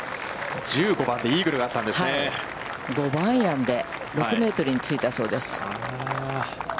１５番でイーグルがあったんですね、５番アイアンで６メートルについたそうです。